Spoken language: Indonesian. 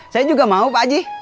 saya juga mau pak haji